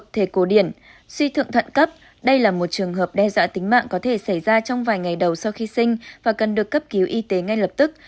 thể cổ điển suy thượng thận cấp đây là một trường hợp đe dọa tính mạng có thể xảy ra trong vài ngày đầu sau khi sinh và cần được cấp cứu y tế ngay lập tức